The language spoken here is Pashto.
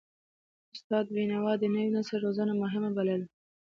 استاد بینوا د نوي نسل روزنه مهمه بلله.